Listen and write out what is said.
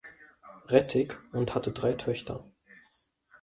Rettig, und hatte drei Töchter.